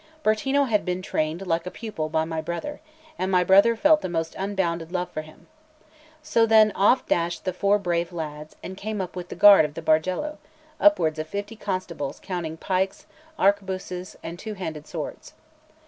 Bertino had been trained like a pupil by my brother; and my brother felt the most unbounded love for him. So then, off dashed the four brave lads, and came up with the guard of the Bargello upwards of fifty constables, counting pikes, arquebuses, and two handed swords.